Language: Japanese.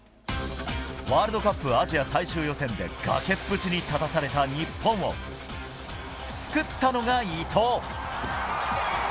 ワールドカップアジア最終予選で崖っぷちに立たされた日本をすくったのが伊東。